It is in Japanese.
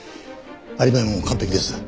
アリバイも完璧です。